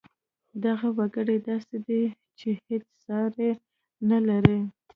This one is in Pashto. دغه وګړی داسې دی چې هېڅ ساری نه لري